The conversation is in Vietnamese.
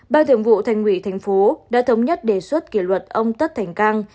ban thường vụ thành ủy thành phố đã thống nhất đề xuất kỷ luật ông tất thành cang